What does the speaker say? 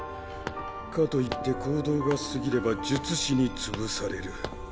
かといって行動が過ぎれば術師に潰される。